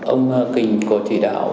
ông kinh có chỉ đạo